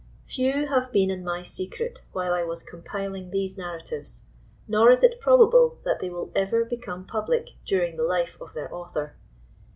Few have been in my secret while I was compiling these narratives, nor is it probable that they will ever become public during the life of their author.